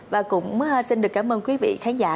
và cũng xin được cảm ơn quý vị khán giả